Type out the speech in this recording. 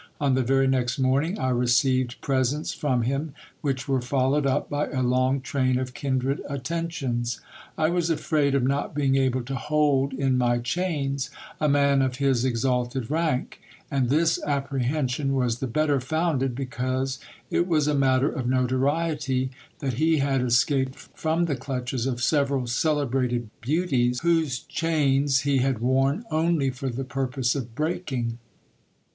On the very next morning, I received presents from him, which were followed up by a long train of kindred attentions. I was afraid of not being able to hold in my chains a man of his exalted rank : and this ap prehension was the better founded, because it was a matter of notoriety, that he had escaped from the clutches of several celebrated beauties, whose chains he had worn, only for the purpose of breaking.